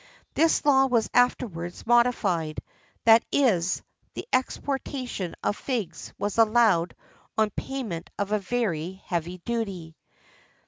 [XIII 50] This law was afterwards modified, that is, the exportation of figs was allowed on payment of a very heavy duty.